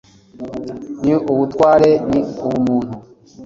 Ni ubutware ni ubumuntu